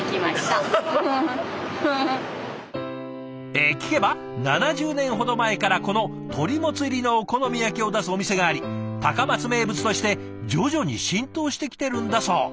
え聞けば７０年ほど前からこの鳥モツ入りのお好み焼きを出すお店があり高松名物として徐々に浸透してきてるんだそう。